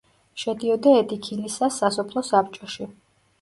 შედიოდა ედიქილისას სასოფლო საბჭოში.